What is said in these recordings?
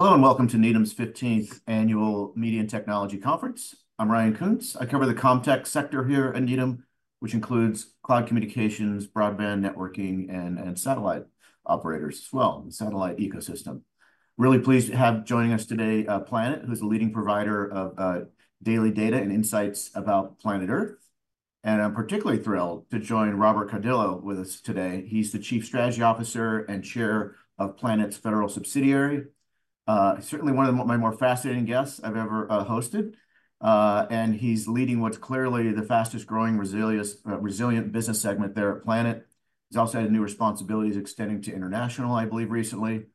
Hello, and welcome to Needham's fifteenth Annual Media and Technology Conference. I'm Ryan Koontz. I cover the comm tech sector here at Needham, which includes cloud communications, broadband networking, and satellite operators as well, the satellite ecosystem. Really pleased to have joining us today, Planet, who's a leading provider of, daily data and insights about planet Earth. And I'm particularly thrilled to join Robert Cardillo with us today. He's the Chief Strategy Officer and Chair of Planet's federal subsidiary. Certainly one of the, my more fascinating guests I've ever, hosted. And he's leading what's clearly the fastest growing resilience, resilient business segment there at Planet. He's also had new responsibilities extending to international, I believe, recently.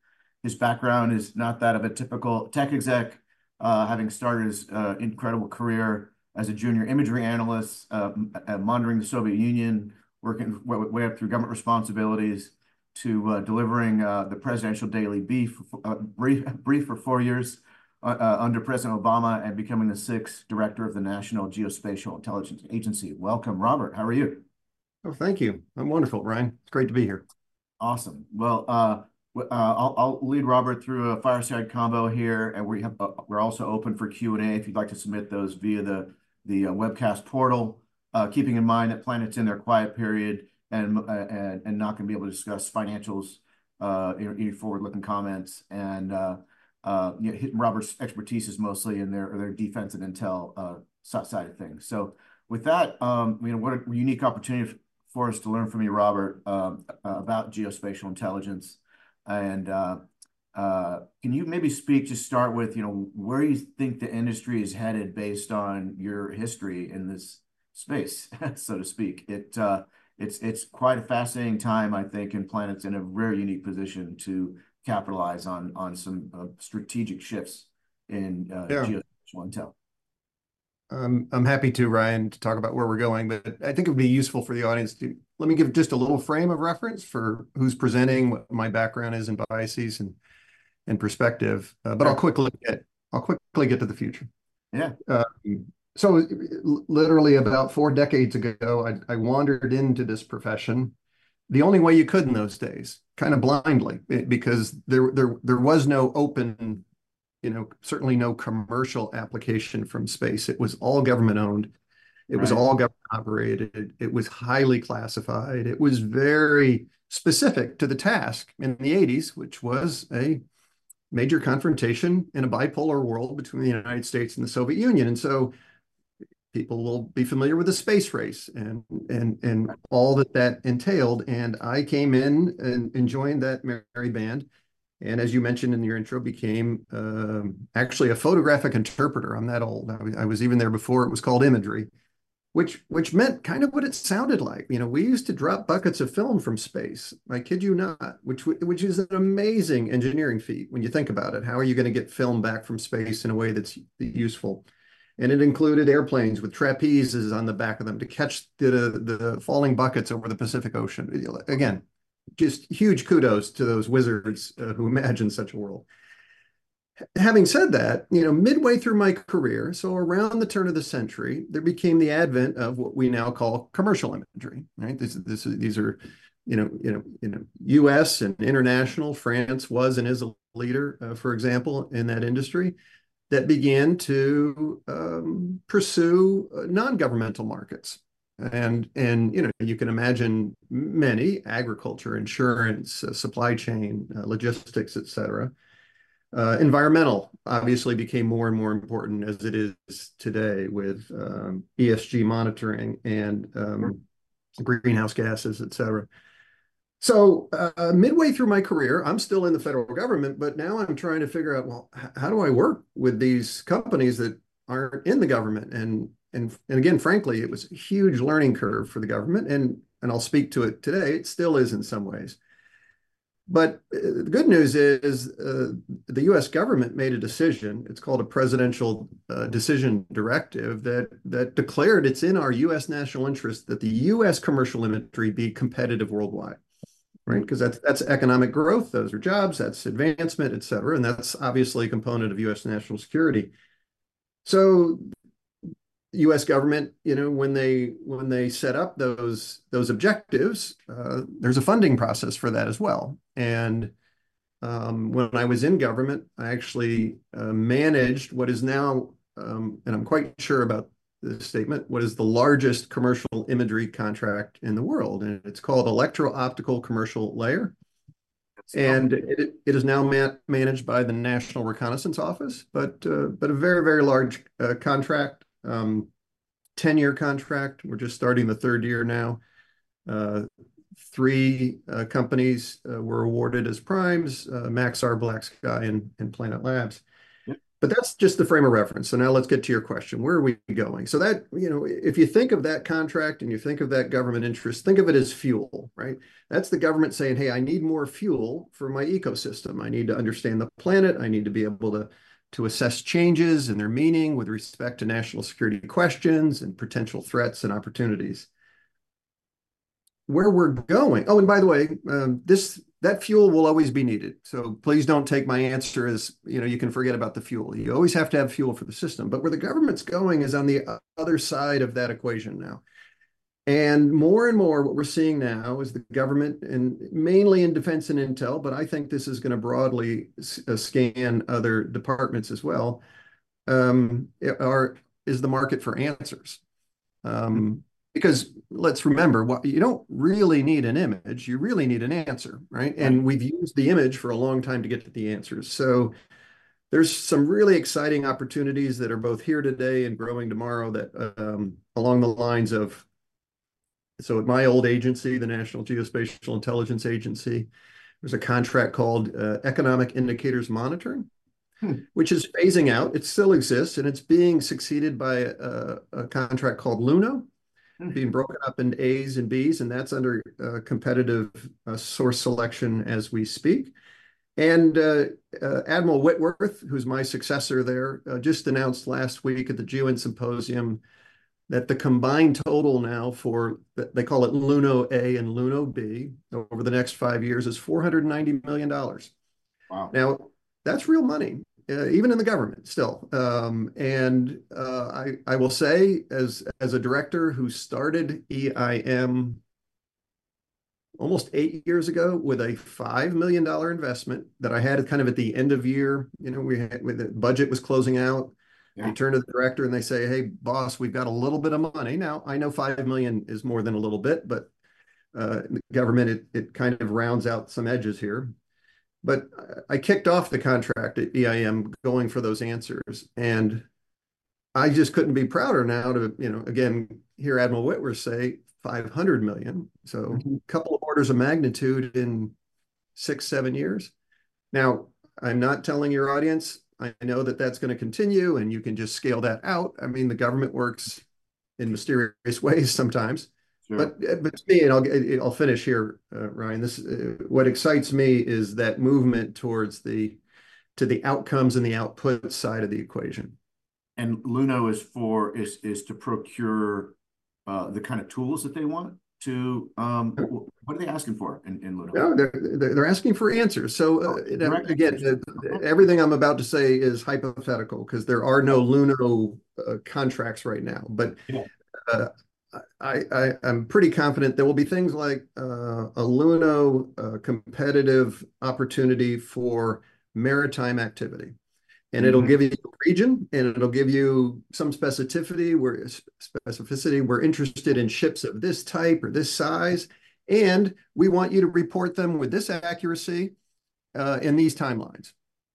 His background is not that of a typical tech exec, having started his incredible career as a junior imagery analyst at monitoring the Soviet Union, working way up through government responsibilities to delivering the Presidential Daily Brief for four years under President Obama, and becoming the sixth director of the National Geospatial-Intelligence Agency. Welcome, Robert. How are you? Oh, thank you. I'm wonderful, Ryan. It's great to be here. Awesome. Well, I'll lead Robert through a fireside convo here, and we have, we're also open for Q&A, if you'd like to submit those via the webcast portal. Keeping in mind that Planet's in their quiet period and not gonna be able to discuss financials or any forward-looking comments. You know, Robert's expertise is mostly in their defense and intel side of things. So with that, you know, what a unique opportunity for us to learn from you, Robert, about geospatial intelligence. Can you maybe speak, just start with, you know, where you think the industry is headed based on your history in this space, so to speak? It's quite a fascinating time, I think, and Planet's in a very unique position to capitalize on some strategic shifts in Yeah... geospatial intel. I'm happy to, Ryan, to talk about where we're going, but I think it would be useful for the audience to... Let me give just a little frame of reference for who's presenting, what my background is, and biases, and perspective. Sure. But I'll quickly get to the future. Yeah. So literally, about four decades ago, I wandered into this profession the only way you could in those days, kind of blindly, because there was no open, you know, certainly no commercial application from space. It was all government-owned- Right. It was all government-operated. It was highly classified. It was very specific to the task in the 1980s, which was a major confrontation in a bipolar world between the United States and the Soviet Union. And so people will be familiar with the Space Race and- Right... all that that entailed. And I came in and joined that merry band, and as you mentioned in your intro, became actually a photographic interpreter. I'm that old. I was even there before it was called imagery, which meant kind of what it sounded like. You know, we used to drop buckets of film from space. I kid you not, which is an amazing engineering feat when you think about it. How are you gonna get film back from space in a way that's useful? And it included airplanes with trapezes on the back of them to catch the falling buckets over the Pacific Ocean. Again, just huge kudos to those wizards who imagined such a world. Having said that, you know, midway through my career, so around the turn of the century, there became the advent of what we now call commercial imagery, right? These, this, these are, you know, you know, you know, U.S. and international. France was and is a leader, for example, in that industry, that began to pursue non-governmental markets. And, you know, you can imagine many: agriculture, insurance, supply chain, logistics, et cetera. Environmental obviously became more and more important as it is today with ESG monitoring and greenhouse gases, et cetera. So, midway through my career, I'm still in the federal government, but now I'm trying to figure out, well, how do I work with these companies that aren't in the government? And again, frankly, it was a huge learning curve for the government, and I'll speak to it today. It still is in some ways. But the good news is, the U.S. government made a decision, it's called a Presidential Decision Directive, that declared it's in our U.S. national interest that the U.S. commercial imagery be competitive worldwide, right? 'Cause that's economic growth, those are jobs, that's advancement, et cetera, and that's obviously a component of U.S. national security. So the U.S. government, you know, when they set up those objectives, there's a funding process for that as well. And when I was in government, I actually managed what is now, and I'm quite sure about this statement, what is the largest commercial imagery contract in the world, and it's called Electro-Optical Commercial Layer. That's amazing. It is now managed by the National Reconnaissance Office, but a very, very large contract, 10-year contract. We're just starting the third year now. Three companies were awarded as primes, Maxar, BlackSky, and Planet Labs. Yep. But that's just the frame of reference. So now let's get to your question: Where are we going? So that, you know, if you think of that contract and you think of that government interest, think of it as fuel, right? That's the government saying, "Hey, I need more fuel for my ecosystem. I need to understand the planet. I need to be able to, to assess changes and their meaning with respect to national security questions and potential threats and opportunities." Where we're going... Oh, and by the way, this, that fuel will always be needed, so please don't take my answer as, you know, you can forget about the fuel. You always have to have fuel for the system. But where the government's going is on the other side of that equation now... And more and more, what we're seeing now is the government, and mainly in defense and intel, but I think this is gonna broadly span other departments as well, is the market for answers. Because let's remember, you don't really need an image, you really need an answer, right? Mm. We've used the image for a long time to get to the answers. So there's some really exciting opportunities that are both here today and growing tomorrow that, along the lines of... So at my old agency, the National Geospatial-Intelligence Agency, there's a contract called Economic Indicators Monitoring- Hmm... which is phasing out. It still exists, and it's being succeeded by a contract called LUNO- Mm... being broken up into As and Bs, and that's under competitive source selection as we speak. Admiral Whitworth, who's my successor there, just announced last week at the GEOINT Symposium that the combined total now for the—they call it LUNO A and LUNO B—over the next five years is $490 million. Wow! Now, that's real money, even in the government still. I will say as a director who started EIM almost eight years ago with a $5 million investment that I had kind of at the end of year, you know, the budget was closing out. Yeah. You turn to the director and they say, "Hey, boss, we've got a little bit of money." Now, I know $5 million is more than a little bit, but the government, it kind of rounds out some edges here. But I kicked off the contract at EIM going for those answers, and I just couldn't be prouder now to, you know, again, hear Admiral Whitworth say $500 million. Mm. So a couple of orders of magnitude in six, seven years. Now, I'm not telling your audience, I know that that's gonna continue, and you can just scale that out. I mean, the government works in mysterious ways sometimes. Sure. But to me, and I'll finish here, Ryan, this... What excites me is that movement towards the- to the outcomes and the output side of the equation. And LUNO is for to procure the kind of tools that they want to. What are they asking for in LUNO? No, they're asking for answers. Right. So, and again, everything I'm about to say is hypothetical, 'cause there are no LUNO contracts right now. Sure. I'm pretty confident there will be things like a LUNO competitive opportunity for maritime activity. Mm. It'll give you the region, and it'll give you some specificity, specificity, we're interested in ships of this type or this size, and we want you to report them with this accuracy in these timelines.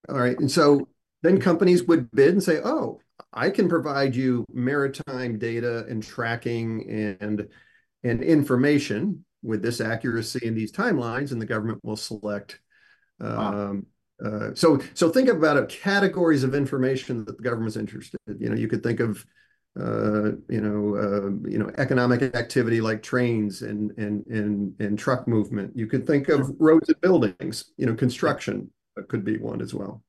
All right? And so then companies would bid and say, "Oh, I can provide you maritime data and tracking, and information with this accuracy and these timelines," and the government will select, Wow! So, think about of categories of information that the government's interested in. You know, you could think of, you know, economic activity like trains and truck movement. You could think of- Sure... roads and buildings. You know, construction could be one as well.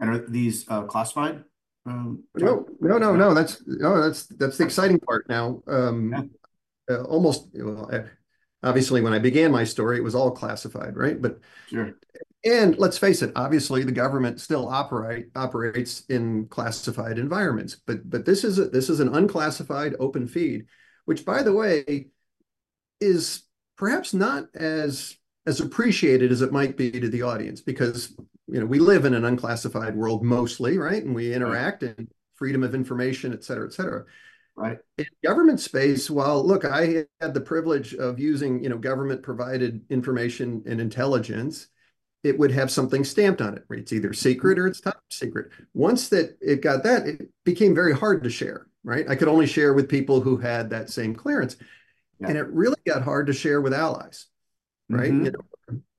Are these classified, Jim? No, no, no, no. That's... No, that's, that's the exciting part now. Yeah. Well, obviously, when I began my story, it was all classified, right? But- Sure... and let's face it, obviously the government still operates in classified environments, but this is an unclassified open feed, which, by the way, is perhaps not as appreciated as it might be to the audience. Because, you know, we live in an unclassified world mostly, right? Yeah. And we interact, and freedom of information, et cetera, et cetera. Right. In government space, while... Look, I had the privilege of using, you know, government-provided information and intelligence, it would have something stamped on it, right? It's either secret or it's top secret. Mm. Once that it got that, it became very hard to share, right? I could only share with people who had that same clearance. Yeah. It really got hard to share with allies, right? Mm-hmm. You know,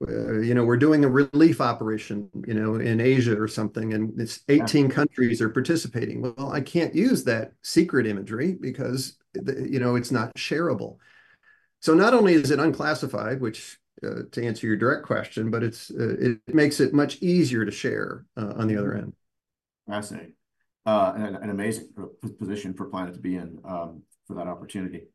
you know, we're doing a relief operation, you know, in Asia or something, and it's- Yeah... 18 countries are participating. Well, I can't use that secret imagery because the, you know, it's not shareable. So not only is it unclassified, which, to answer your direct question, but it's, it makes it much easier to share, on the other end. Fascinating. And an amazing position for Planet to be in, for that opportunity.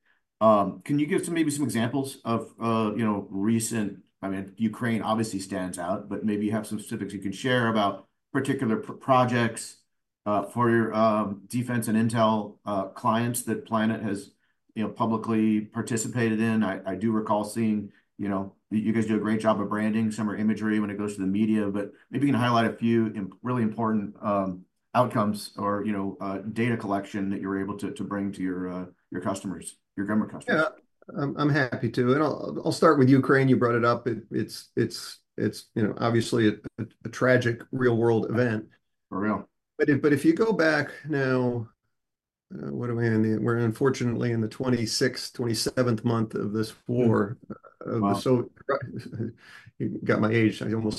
Can you give some maybe some examples of, you know, recent... I mean, Ukraine obviously stands out, but maybe you have some specifics you can share about particular projects, for your, defense and intel, clients that Planet has, you know, publicly participated in. I do recall seeing, you know... You guys do a great job of branding some of imagery when it goes to the media, but maybe you can highlight a few really important, outcomes or, you know, data collection that you were able to, to bring to your, your customers, your government customers. Yeah. I'm happy to, and I'll start with Ukraine. You brought it up. It's, you know, obviously a tragic real-world event. For real. But if, but if you go back now, what are we in the... We're unfortunately in the 26th, 27th month of this war. Wow. I almost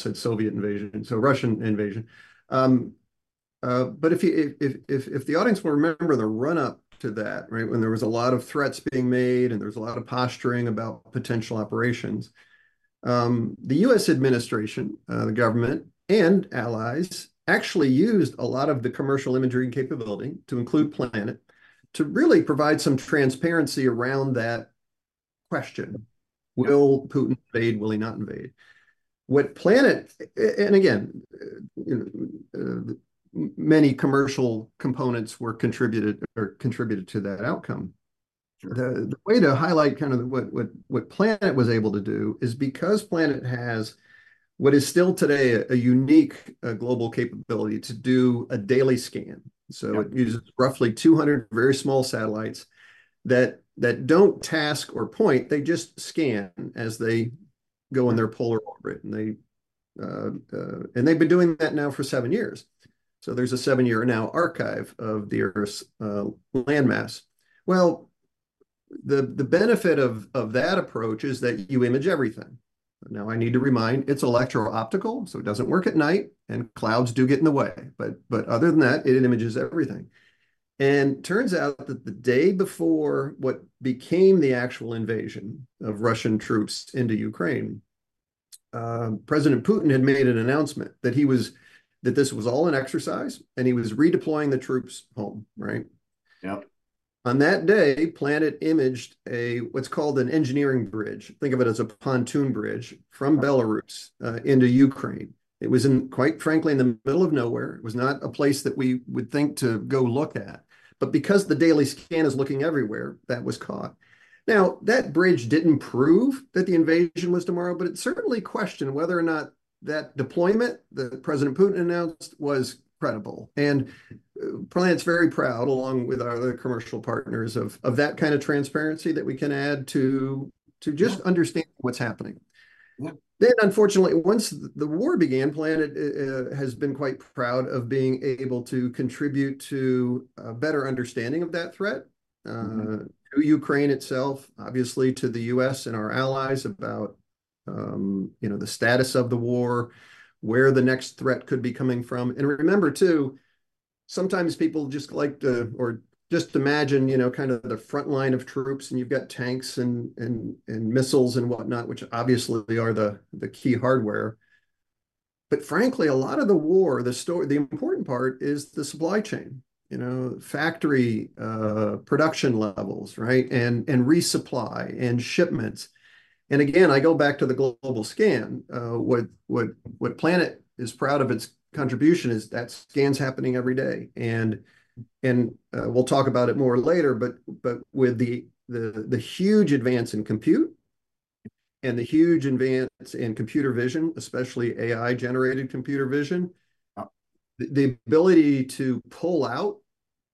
said Soviet invasion, so Russian invasion. But if the audience will remember the run-up to that, right, when there was a lot of threats being made, and there was a lot of posturing about potential operations, the U.S. administration, the government and allies actually used a lot of the commercial imagery capability, to include Planet, to really provide some transparency around that question: Will Putin invade? Will he not invade? What Planet and again, you know, many commercial components were contributed or contributed to that outcome. Sure. The way to highlight kind of what Planet was able to do is because Planet has what is still today a unique global capability to do a daily scan. Yeah. So it uses roughly 200 very small satellites that don't task or point, they just scan as they go in their polar orbit, and they. And they've been doing that now for seven years, so there's a seven-year now archive of the Earth's land mass. Well, the benefit of that approach is that you image everything. Now, I need to remind, it's electro-optical, so it doesn't work at night, and clouds do get in the way, but other than that, it images everything. And turns out that the day before what became the actual invasion of Russian troops into Ukraine, President Putin had made an announcement that this was all an exercise, and he was redeploying the troops home, right? Yep. On that day, Planet imaged a what's called an engineering bridge. Think of it as a pontoon bridge from Belarus into Ukraine. It was in, quite frankly, in the middle of nowhere. It was not a place that we would think to go look at, but because the daily scan is looking everywhere, that was caught. Now, that bridge didn't prove that the invasion was tomorrow, but it certainly questioned whether or not that deployment that President Putin announced was credible. And Planet's very proud, along with our other commercial partners, of that kind of transparency that we can add to just- Yeah... understand what's happening. Yeah. Then, unfortunately, once the war began, Planet has been quite proud of being able to contribute to a better understanding of that threat. Mm-hmm... to Ukraine itself, obviously to the U.S. and our allies, about, you know, the status of the war, where the next threat could be coming from. And remember, too, sometimes people just like to... or just imagine, you know, kind of the front line of troops, and you've got tanks, and, and, and missiles and whatnot, which obviously are the, the key hardware. But frankly, a lot of the war, the important part is the supply chain. You know, factory, production levels, right? And resupply, and shipments. And again, I go back to the global scan. What Planet is proud of its contribution is that scan's happening every day. We'll talk about it more later, but with the huge advance in compute and the huge advance in computer vision, especially AI-generated computer vision, the ability to pull out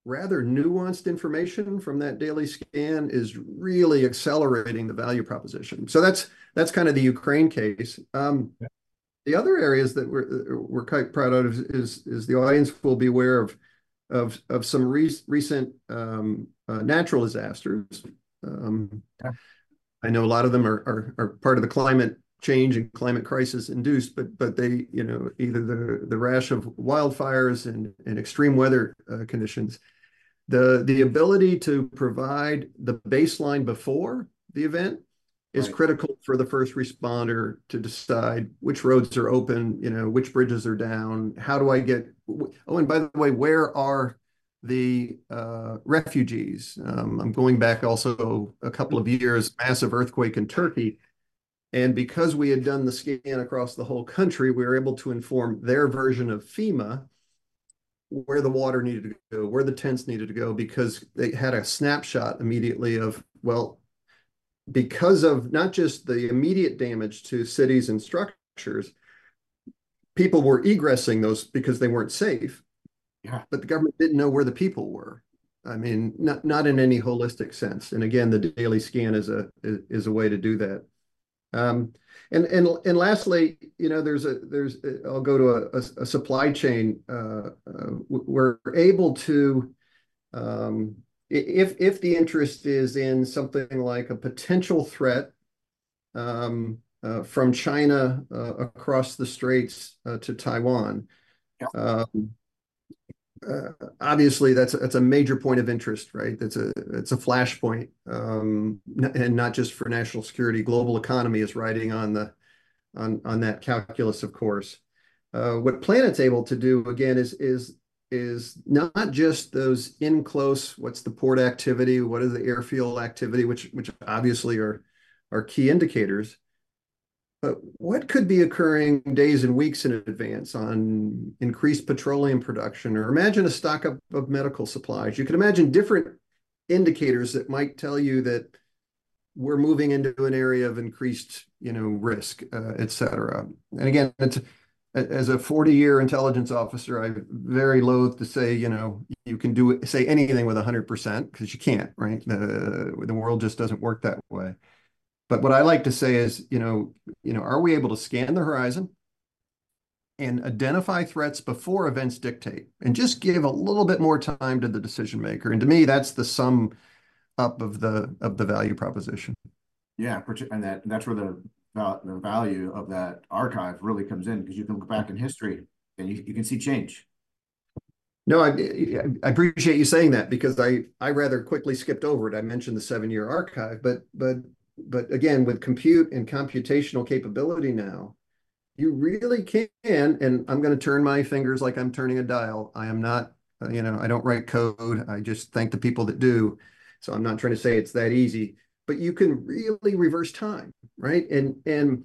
rather nuanced information from that daily scan is really accelerating the value proposition. So that's kind of the Ukraine case. Yeah. The other areas that we're quite proud of is the audience will be aware of some recent natural disasters. Yeah. I know a lot of them are part of the climate change and climate crisis induced, but they, you know, either the rash of wildfires and extreme weather conditions. The ability to provide the baseline before the event- Right... is critical for the first responder to decide which roads are open, you know, which bridges are down, how do I get, oh, and by the way, where are the refugees? I'm going back also a couple of years, massive earthquake in Turkey, and because we had done the scan across the whole country, we were able to inform their version of FEMA where the water needed to go, where the tents needed to go, because they had a snapshot immediately of, well, because of not just the immediate damage to cities and structures, people were egressing those because they weren't safe. Yeah. But the government didn't know where the people were, I mean, not, not in any holistic sense. And again, the daily scan is a way to do that. And lastly, you know, there's a supply chain. We're able to, if the interest is in something like a potential threat from China across the straits to Taiwan- Yep Obviously, that's a major point of interest, right? That's a... It's a flashpoint, and not just for national security. Global economy is riding on that calculus, of course. What Planet's able to do, again, is not just those in-close, what's the port activity, what is the airfield activity? Which obviously are key indicators. But what could be occurring days and weeks in advance on increased petroleum production? Or imagine a stock up of medical supplies. You could imagine different indicators that might tell you that we're moving into an area of increased, you know, risk, et cetera. And again, as a 40-year intelligence officer, I'm very loath to say, you know, "You can do it," say anything with 100%, 'cause you can't, right? The world just doesn't work that way. But what I like to say is, you know, are we able to scan the horizon and identify threats before events dictate, and just give a little bit more time to the decision-maker? And to me, that's the sum up of the value proposition. Yeah, and that's where the value of that archive really comes in, because you can look back in history, and you can see change. No, I appreciate you saying that, because I rather quickly skipped over it. I mentioned the seven-year archive, but again, with compute and computational capability now, you really can, and I'm gonna turn my fingers like I'm turning a dial. I am not, you know, I don't write code, I just thank the people that do, so I'm not trying to say it's that easy, but you can really reverse time, right? And, and-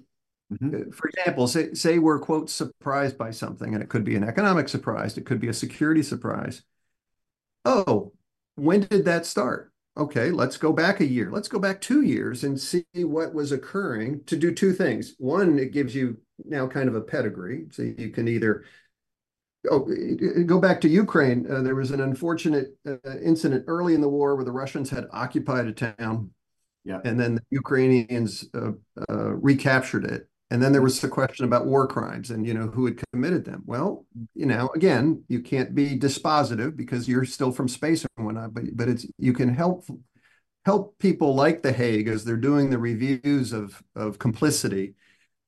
Mm-hmm... for example, say we're, quote, "surprised" by something, and it could be an economic surprise, it could be a security surprise. Oh, when did that start? Okay, let's go back a year. Let's go back two years and see what was occurring, to do two things: one, it gives you now kind of a pedigree, so you can either... Oh, go back to Ukraine. There was an unfortunate incident early in the war where the Russians had occupied a town- Yeah... and then the Ukrainians recaptured it. And then there was the question about war crimes and, you know, who had committed them. Well, you know, again, you can't be dispositive because you're still from space and whatnot, but it's you can help people like The Hague as they're doing the reviews of complicity-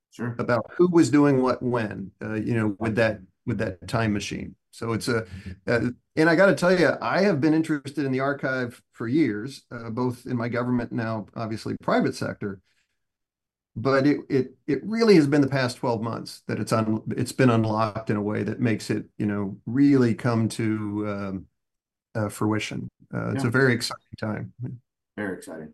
Sure... about who was doing what when, you know, with that, with that time machine. So it's a... And I gotta tell you, I have been interested in the archive for years, both in my government and now obviously private sector, but it really has been the past 12 months that it's been unlocked in a way that makes it, you know, really come to fruition. Yeah. It's a very exciting time. Very exciting.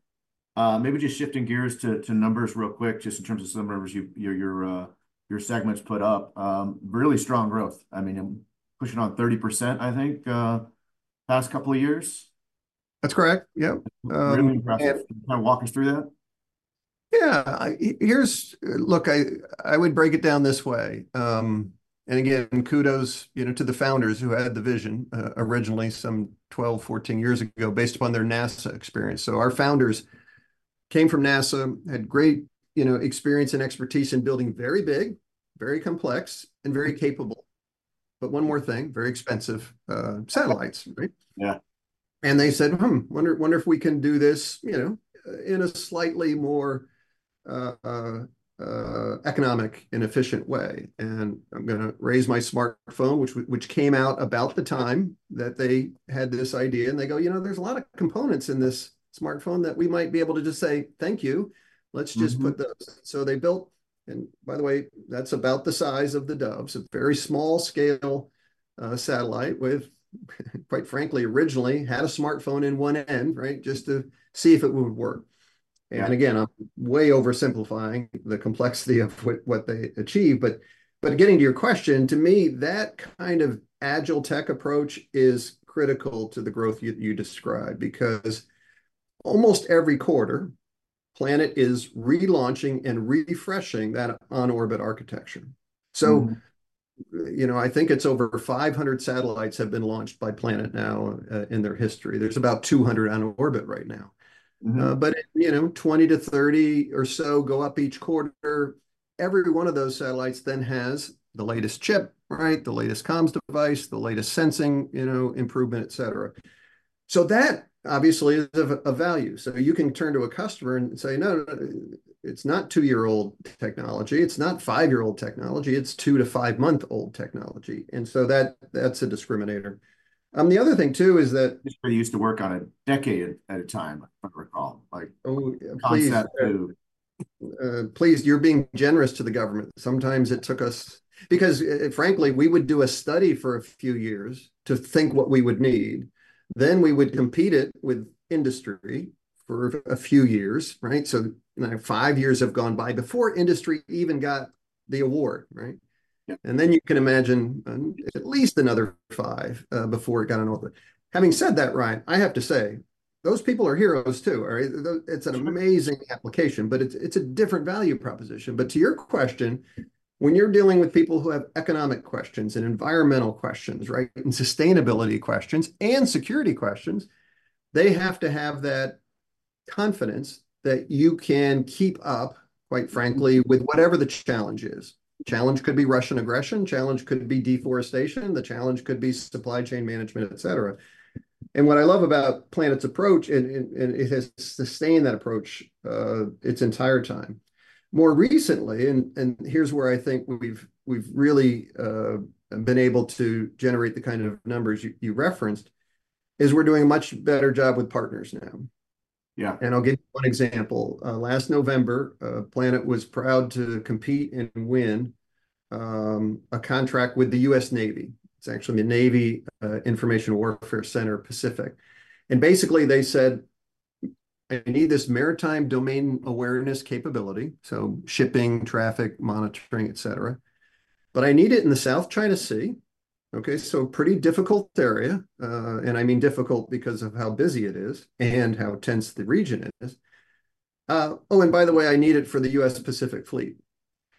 Maybe just shifting gears to numbers real quick, just in terms of some numbers your segment's put up. Really strong growth, I mean, pushing on 30%, I think, the past couple of years? That's correct, yep. Really impressive. Can you kind of walk us through that? Yeah. Here's... Look, I would break it down this way. And again, kudos, you know, to the founders who had the vision, originally some 12-14 years ago, based upon their NASA experience. So our founders came from NASA, had great, you know, experience and expertise in building very big, very complex and very capable, but one more thing, very expensive, satellites, right? Yeah. They said, "Hmm, wonder, wonder if we can do this, you know, in a slightly more economic and efficient way." And I'm gonna raise my smartphone, which came out about the time that they had this idea, and they go, "You know, there's a lot of components in this smartphone that we might be able to just say, 'Thank you. Let's just- Mm-hmm... put those.'" So they built... And by the way, that's about the size of the Dove, so very small scale, satellite with, quite frankly, originally had a smartphone in one end, right? Just to see if it would work. Yeah. And again, I'm way oversimplifying the complexity of what they achieved, but getting to your question, to me, that kind of agile tech approach is critical to the growth you describe. Because almost every quarter, Planet is relaunching and refreshing that on-orbit architecture. Mm. So, you know, I think it's over 500 satellites have been launched by Planet now, in their history. There's about 200 on orbit right now. Mm-hmm. But, you know, 20-30 or so go up each quarter. Every one of those satellites then has the latest chip, right? The latest comms device, the latest sensing, you know, improvement, et cetera. So that obviously is of value. So you can turn to a customer and say, "No, no, it's not two-year-old technology, it's not five-year-old technology, it's two-five-month-old technology," and so that, that's a discriminator. The other thing too is that- I used to work on a decade at a time, if I recall, like- Oh, please-... concept to. Please, you're being generous to the government. Sometimes it took us... Because, frankly, we would do a study for a few years to think what we would need, then we would compete it with industry for a few years, right? So now five years have gone by before industry even got the award, right? Yep. And then you can imagine, at least another five, before it got on orbit. Having said that, Ryan, I have to say, those people are heroes too, all right? Sure. It's an amazing application, but it's a different value proposition. But to your question, when you're dealing with people who have economic questions and environmental questions, right, and sustainability questions and security questions, they have to have that confidence that you can keep up, quite frankly, with whatever the challenge is. Challenge could be Russian aggression, challenge could be deforestation, the challenge could be supply chain management, et cetera. And what I love about Planet's approach, and it has sustained that approach its entire time. More recently, and here's where I think we've really been able to generate the kind of numbers you referenced, is we're doing a much better job with partners now. Yeah. I'll give you one example. Last November, Planet was proud to compete and win a contract with the U.S. Navy. It's actually the Navy Information Warfare Center Pacific. And basically they said, "I need this maritime domain awareness capability, so shipping, traffic, monitoring, et cetera, but I need it in the South China Sea." Okay, so pretty difficult area, and I mean difficult because of how busy it is and how tense the region is. "Oh, and by the way, I need it for the U.S. Pacific Fleet."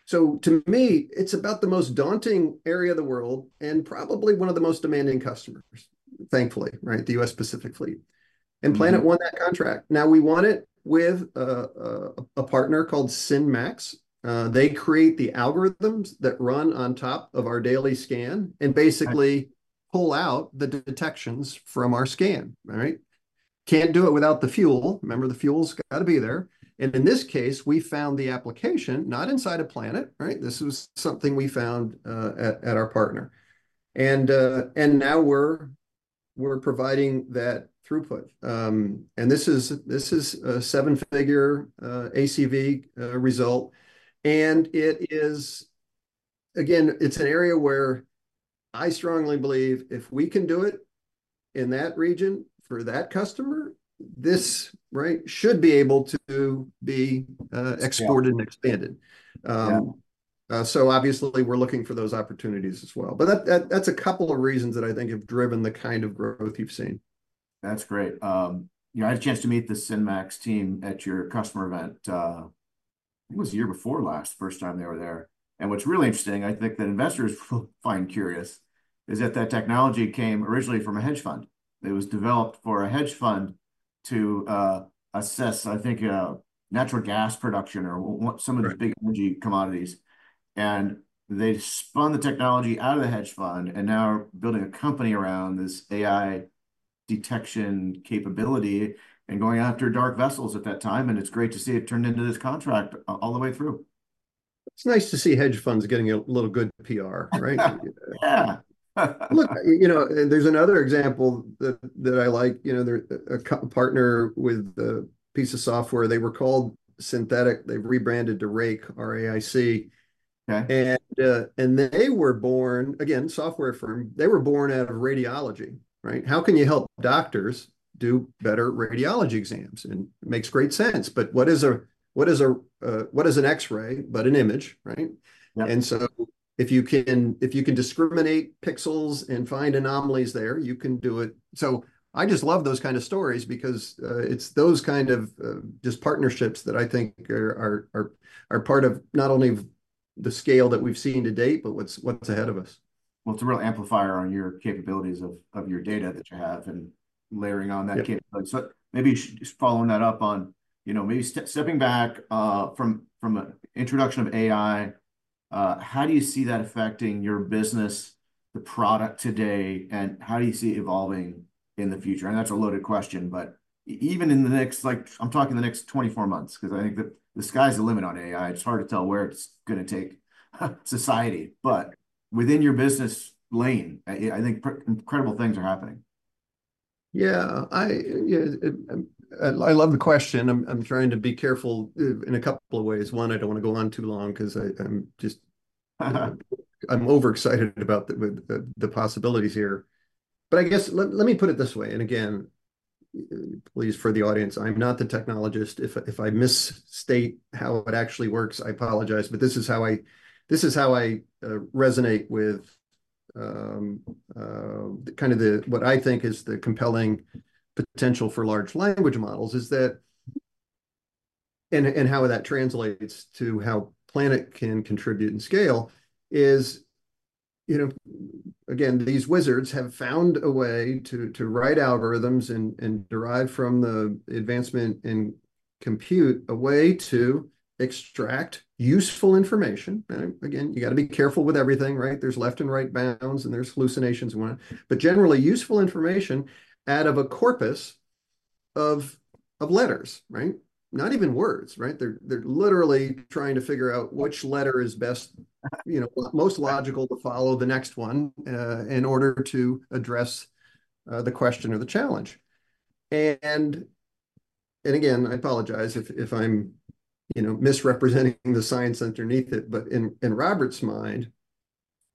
So to me, it's about the most daunting area of the world, and probably one of the most demanding customers, thankfully, right? The U.S. Pacific Fleet. Mm. Planet won that contract. Now, we won it with a partner called SynMax. They create the algorithms that run on top of our daily scan- Right... and basically pull out the detections from our scan, right? Can't do it without the fuel. Remember, the fuel's gotta be there. And in this case, we found the application not inside of Planet, right? This was something we found at our partner. And now we're providing that throughput. And this is a seven-figure ACV result, and it is again an area where I strongly believe if we can do it in that region for that customer, this right should be able to be exported- Yeah... and expanded. Yeah. So obviously we're looking for those opportunities as well. But that's a couple of reasons that I think have driven the kind of growth you've seen. That's great. You know, I had a chance to meet the SynMax team at your customer event, it was the year before last, the first time they were there. And what's really interesting, I think that investors find curious, is that that technology came originally from a hedge fund. It was developed for a hedge fund to assess, I think, natural gas production or what- Right... some of the big energy commodities. And they spun the technology out of the hedge fund, and now are building a company around this AI detection capability, and going after dark vessels at that time, and it's great to see it turned into this contract all the way through. It's nice to see hedge funds getting a little good PR, right? Yeah. Look, you know, and there's another example that I like. You know, there's a partner with a piece of software, they were called Synthetaic, they've rebranded to RAIC, R-A-I-C. Okay. They were born... Again, software firm, they were born out of radiology, right? How can you help doctors do better radiology exams? And makes great sense, but what is an X-ray but an image, right? Yeah. And so if you can, if you can discriminate pixels and find anomalies there, you can do it. So I just love those kind of stories because it's those kind of just partnerships that I think are part of not only of the scale that we've seen to date, but what's ahead of us. Well, it's a real amplifier on your capabilities of your data that you have, and layering on that cap- Yeah... So maybe just following that up on, you know, maybe stepping back, from an introduction of AI, how do you see that affecting your business, the product today, and how do you see it evolving in the future? And that's a loaded question, but even in the next, like, I'm talking the next 24 months, 'cause I think the sky's the limit on AI. It's hard to tell where it's gonna take society. But within your business lane, I think incredible things are happening. Yeah, I love the question. I'm trying to be careful in a couple of ways. One, I don't wanna go on too long, 'cause I'm just- Uh-huh... I'm overexcited about the possibilities here. But I guess, let me put it this way, and again, please, for the audience, I'm not the technologist. If I misstate how it actually works, I apologize, but this is how I resonate with what I think is the compelling potential for large language models, is that... And how that translates to how Planet can contribute and scale is, you know, again, these wizards have found a way to write algorithms and derive from the advancement in compute, a way to extract useful information. And again, you gotta be careful with everything, right? There's left and right bounds, and there's hallucinations and whatnot. But generally, useful information out of a corpus of letters, right? Not even words, right? They're literally trying to figure out which letter is best, you know, most logical to follow the next one, in order to address the question or the challenge. I apologize if I'm, you know, misrepresenting the science underneath it, but in Robert's mind,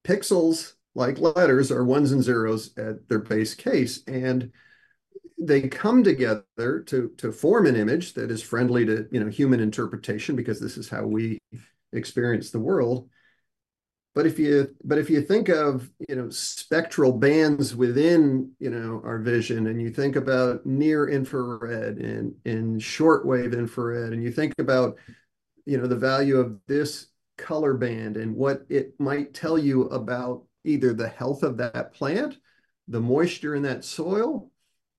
pixels, like letters, are ones and zeros at their base case, and they come together to form an image that is friendly to, you know, human interpretation, because this is how we experience the world. But if you think of, you know, spectral bands within, you know, our vision, and you think about near-infrared and shortwave infrared, and you think about, you know, the value of this color band and what it might tell you about either the health of that plant, the moisture in that soil,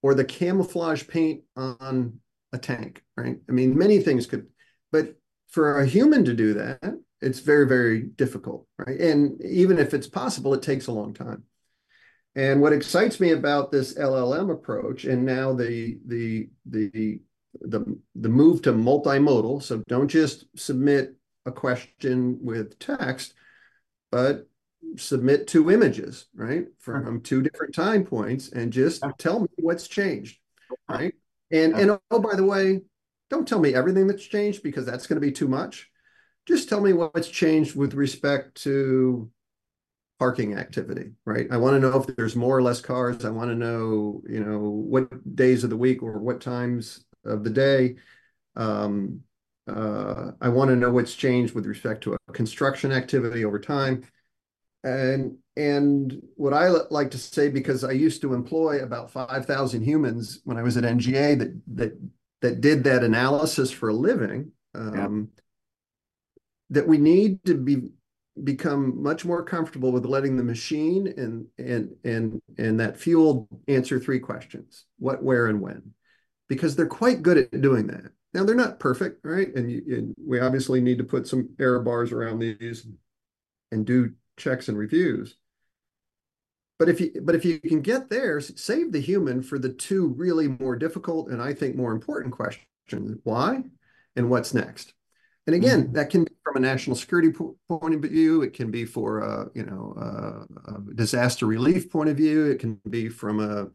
or the camouflage paint on a tank, right? I mean, many things could... But for a human to do that, it's very, very difficult, right? And even if it's possible, it takes a long time. And what excites me about this LLM approach, and now the move to multimodal, so don't just submit a question with text, but submit two images, right? Yeah. From two different time points, and just- Yeah... tell me what's changed, right? Yeah. Oh, by the way, don't tell me everything that's changed, because that's gonna be too much. Just tell me what's changed with respect to parking activity, right? I wanna know if there's more or less cars. I wanna know, you know, what days of the week or what times of the day. I wanna know what's changed with respect to a construction activity over time. And what I like to say, because I used to employ about 5,000 humans when I was at NGA, that did that analysis for a living. Yeah ... that we need to become much more comfortable with letting the machine and that fuel answer three questions: what, where, and when. Because they're quite good at doing that. Now, they're not perfect, right? And we obviously need to put some error bars around these and do checks and reviews. But if you can get there, save the human for the two really more difficult, and I think more important questions: why and what's next? Mm-hmm. And again, that can be from a national security point of view, it can be for disaster relief point of view, it can be from a,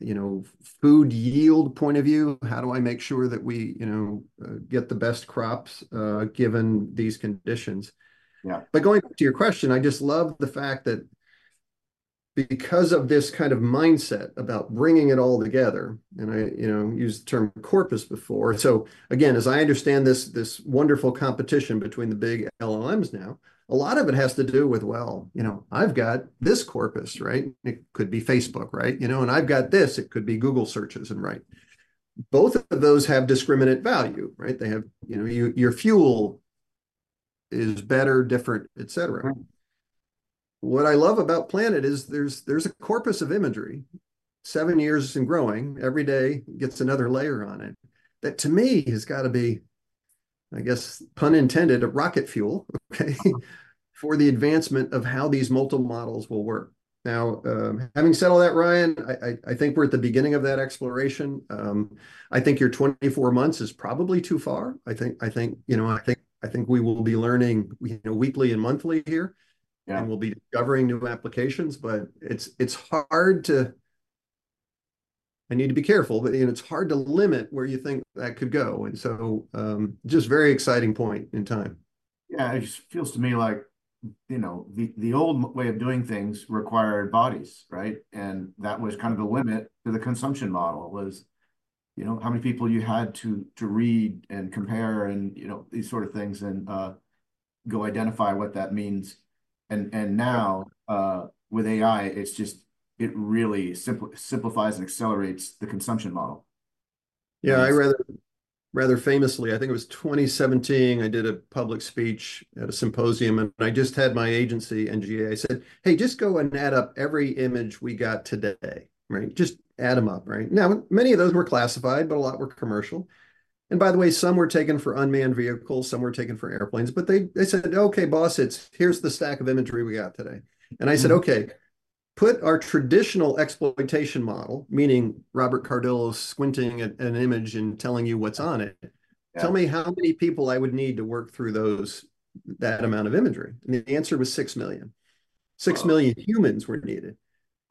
you know, food yield point of view. How do I make sure that we, you know, get the best crops given these conditions? Yeah. But going back to your question, I just love the fact that because of this kind of mindset about bringing it all together, and I, you know, used the term corpus before. So again, as I understand this, this wonderful competition between the big LLMs now, a lot of it has to do with, well, you know, I've got this corpus, right? It could be Facebook, right? You know, and I've got this. It could be Google searches, and right. Both of those have discriminate value, right? They have... You know, your fuel is better, different, et cetera. Right. What I love about Planet is there's a corpus of imagery, seven years and growing, every day gets another layer on it, that to me has got to be, I guess, pun intended, a rocket fuel, okay, for the advancement of how these multi-models will work. Now, having said all that, Ryan, I think we're at the beginning of that exploration. I think your 24 months is probably too far. I think, you know, I think we will be learning, you know, weekly and monthly here- Yeah... and we'll be discovering new applications. But it's hard to... I need to be careful, but, you know, it's hard to limit where you think that could go, and so, just very exciting point in time. Yeah, it just feels to me like, you know, the old way of doing things required bodies, right? And that was kind of the limit to the consumption model, was, you know, how many people you had to read and compare and, you know, these sort of things, and go identify what that means. And now, with AI, it's just it really simplifies and accelerates the consumption model. Yeah, I rather, rather famously, I think it was 2017, I did a public speech at a symposium, and I just had my agency, NGA, I said, "Hey, just go and add up every image we got today," right? "Just add them up," right? Now, many of those were classified, but a lot were commercial. And by the way, some were taken for unmanned vehicles, some were taken for airplanes. But they, they said, "Okay, boss, it's, here's the stack of imagery we got today. Mm. I said: Okay, put our traditional exploitation model, meaning Robert Cardillo squinting at an image and telling you what's on it- Yeah... tell me how many people I would need to work through those, that amount of imagery. The answer was six million. Wow! six million humans were needed.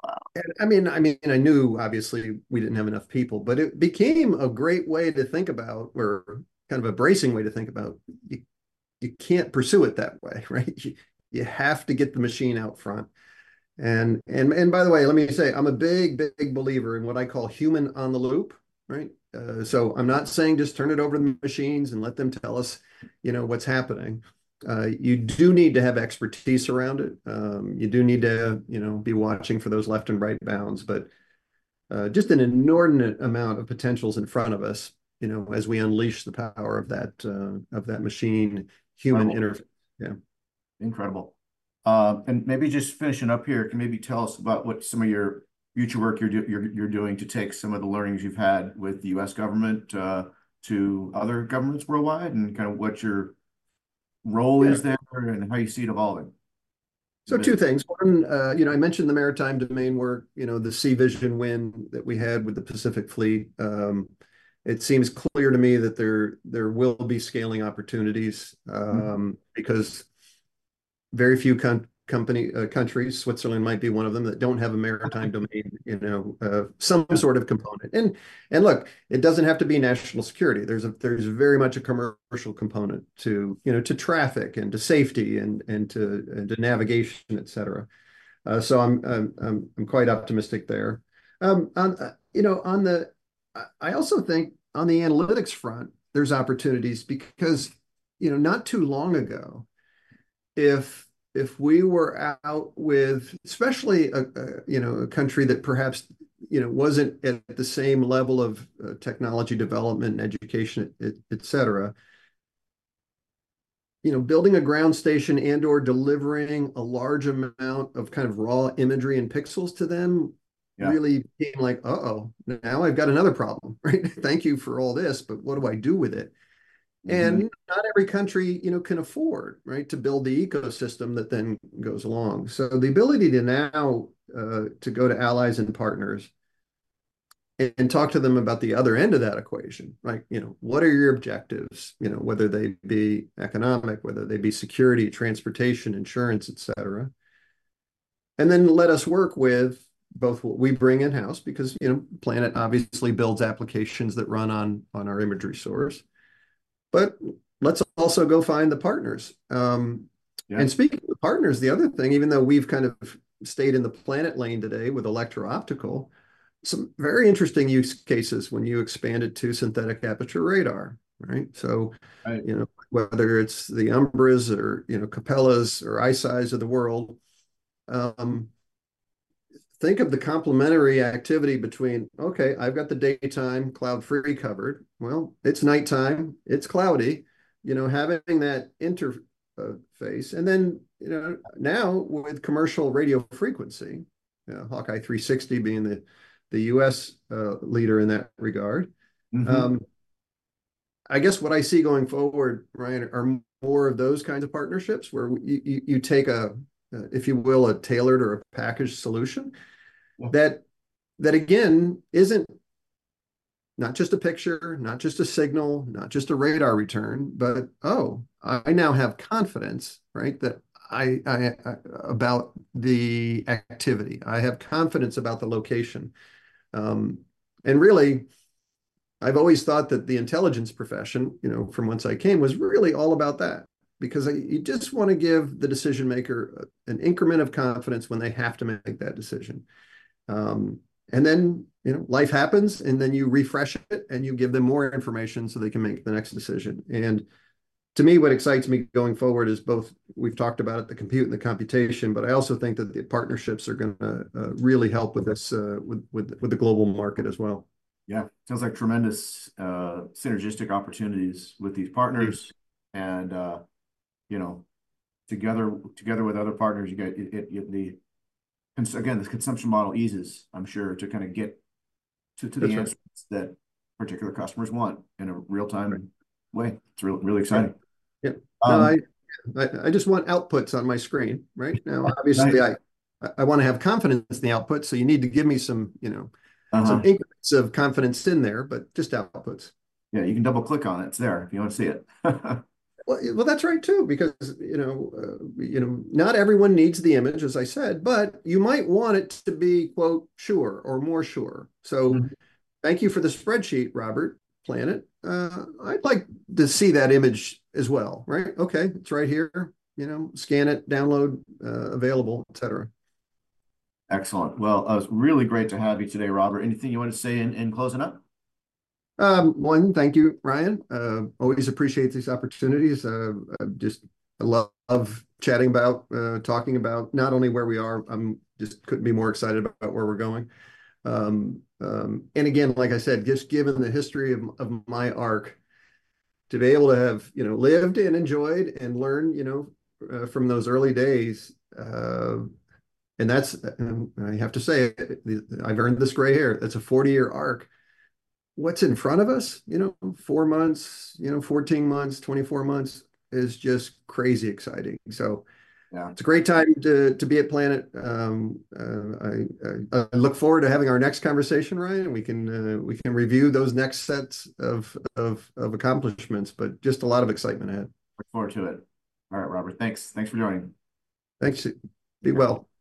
Wow. I mean, I knew obviously we didn't have enough people, but it became a great way to think about or kind of a bracing way to think about, you can't pursue it that way, right? You have to get the machine out front. And by the way, let me say, I'm a big, big believer in what I call human on the loop, right? So I'm not saying just turn it over to the machines and let them tell us, you know, what's happening. You do need to have expertise around it. You do need to, you know, be watching for those left and right bounds. But just an inordinate amount of potential's in front of us, you know, as we unleash the power of that, of that machine-human interface. Wow. Yeah. Incredible. And maybe just finishing up here, can you maybe tell us about what some of your future work you're doing to take some of the learnings you've had with the U.S. government to other governments worldwide, and kind of what your role is there? Yeah... and how you see it evolving? So two things. One, you know, I mentioned the maritime domain where, you know, the SeaVision win that we had with the U.S. Pacific Fleet. It seems clear to me that there, there will be scaling opportunities, Mm... because very few countries, Switzerland might be one of them, that don't have a maritime domain, you know- Mm... some sort of component. And look, it doesn't have to be national security. There's very much a commercial component to, you know, to traffic and to safety and, and to, and to navigation, et cetera. So I'm quite optimistic there. On, you know, on the... I also think on the analytics front, there's opportunities because, you know, not too long ago, if we were out with, especially a you know, a country that perhaps, you know, wasn't at the same level of technology development and education, et cetera, you know, building a ground station and/or delivering a large amount of kind of raw imagery and pixels to them- Yeah... really being like: Uh-oh, now I've got another problem, right? Thank you for all this, but what do I do with it? Mm-hmm. And not every country, you know, can afford, right, to build the ecosystem that then goes along. So the ability to now to go to allies and partners and talk to them about the other end of that equation, right? You know, what are your objectives? You know, whether they be economic, whether they be security, transportation, insurance, et cetera. And then let us work with both what we bring in-house, because, you know, Planet obviously builds applications that run on our imagery source, but let's also go find the partners. Yeah. Speaking of partners, the other thing, even though we've kind of stayed in the Planet lane today with electro-optical, some very interesting use cases when you expand it to synthetic aperture radar, right? So- Right... you know, whether it's the Umbras or, you know, Capellas or ICEYE of the world, think of the complementary activity between, okay, I've got the daytime cloud free recovered. Well, it's nighttime, it's cloudy, you know, having that interface. And then, you know, now with commercial radio frequency, HawkEye 360 being the U.S. leader in that regard- Mm-hmm... I guess what I see going forward, Ryan, are more of those kinds of partnerships where you take a, if you will, a tailored or a packaged solution- Well- Not just a picture, not just a signal, not just a radar return, but "Oh, I now have confidence," right? That I about the activity. I have confidence about the location. And really, I've always thought that the intelligence profession, you know, from whence I came, was really all about that. Because you just wanna give the decision maker an increment of confidence when they have to make that decision. And then, you know, life happens, and then you refresh it, and you give them more information so they can make the next decision. And to me, what excites me going forward is both, we've talked about the compute and the computation, but I also think that the partnerships are gonna really help with this, with the global market as well. Yeah. Sounds like tremendous, synergistic opportunities with these partners. Yes. You know, together with other partners, you get it, the... And so again, this consumption model eases, I'm sure, to kind of get to the answers- That's right... that particular customers want in a real-time way. Mm. It's really exciting. Yeah. Um- No, I just want outputs on my screen, right? Right. Now, obviously, I wanna have confidence in the output, so you need to give me some, you know- Uh-huh... some increments of confidence in there, but just outputs. Yeah, you can double-click on it. It's there if you wanna see it. Well, well, that's right, too, because, you know, you know, not everyone needs the image, as I said, but you might want it to be, quote, "sure" or more sure. Mm. Thank you for the spreadsheet, Robert. Planet, I'd like to see that image as well, right? Okay, it's right here. You know, scan it, download, available, et cetera. Excellent. Well, it's really great to have you today, Robert. Anything you wanna say in closing up? One, thank you, Ryan. Always appreciate these opportunities. Just I love chatting about, talking about not only where we are, I'm just couldn't be more excited about where we're going. And again, like I said, just given the history of my arc, to be able to have, you know, lived and enjoyed and learned, you know, from those early days. And that's, and I have to say, I've earned this gray hair. That's a 40-year arc. What's in front of us, you know, four months, you know, 14 months, 24 months, is just crazy exciting. So- Yeah... it's a great time to be at Planet. I look forward to having our next conversation, Ryan, and we can review those next sets of accomplishments, but just a lot of excitement ahead. Look forward to it. All right, Robert, thanks. Thanks for joining. Thanks. Be well. You too.